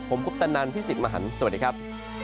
ผมคุปตะนันพี่สิทธิ์มหันฯสวัสดีครับ